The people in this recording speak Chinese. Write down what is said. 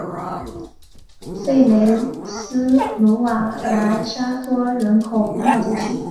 弗雷斯努瓦莱沙托人口变化图示